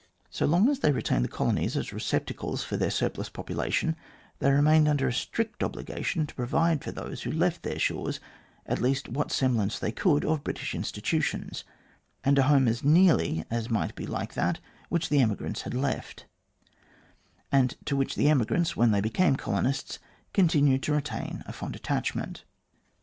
So long as they retained the colonies as receptacles for their surplus population, they remained under a strict obligation to provide for those who left their shores at least what semblance they could of British institutions, and a home as nearly as might be like that which the emigrants had left, and to which the emi grants, when they became colonists, continued to retain a fond attachment.